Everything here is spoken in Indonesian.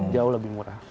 jauh lebih murah